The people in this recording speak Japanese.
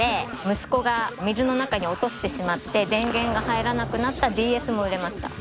息子が水の中に落としてしまって電源が入らなくなったＤＳも売れました。